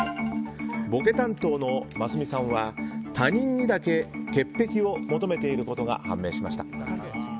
ボケ担当のますみさんは他人にだけ潔癖を求めていることが判明しました。